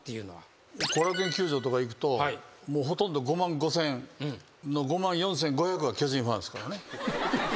後楽園球場とか行くとほとんど５万５，０００の５万４，５００は巨人ファンですからね。